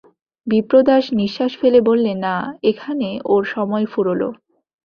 বিপ্রদাস নিশ্বাস ফেলে বললে, না, এখানে ওর সময় ফুরোল।